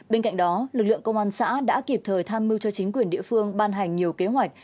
bên cạnh đó lực lượng công an xã đã kịp thời tham mưu cho chính quyền địa phương ban hành nhiều kế hoạch